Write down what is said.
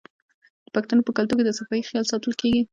د پښتنو په کلتور کې د صفايي خیال ساتل کیږي.